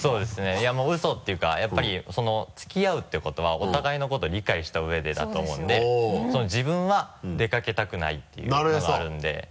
いやもうウソっていうかやっぱり付き合うってことはお互いのことを理解したうえでだと思うんで自分は出掛けたくないっていうのがあるんで。